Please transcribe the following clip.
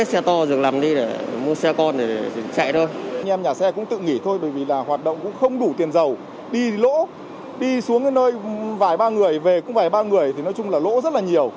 xe xe sử dụng đường bộ xe bảo thông và xe kinh doanh vận tải